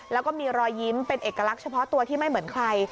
แล้วก็มีรอยยิ้มเป็นเอกลักษณ์เฉพาะตัวที่ไม่เหมือนใคร